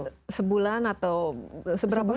dan sebulan atau seberapa sering